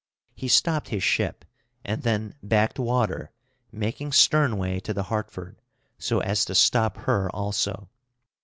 He stopped his ship, and then backed water, making sternway to the Hartford, so as to stop her also.